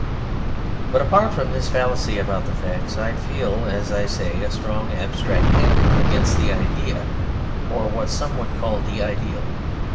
But apart from this fallacy about the facts, I feel, as I say, a strong abstract anger against the idea, or what some would call the ideal.